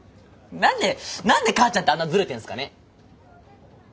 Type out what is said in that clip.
何で何で母ちゃんってあんなずれてんすかね？